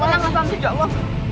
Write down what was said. tenanglah sampe joklo